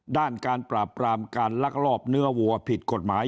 ด้านการปราบปรามการลักลอบเนื้อวัวผิดกฎหมาย